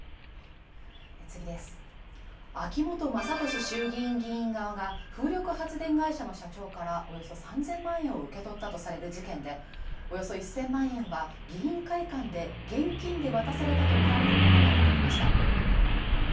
秋本真利衆議院議員側が風力発電会社の社長からおよそ３０００万円を受け取ったとされる事件でおよそ１０００万円は議員会館で現金で渡されたとみられることが分かりました。